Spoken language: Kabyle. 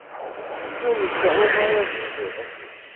Ur nettɛumu ara deg yiḍ.